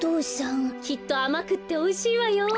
きっとあまくっておいしいわよ。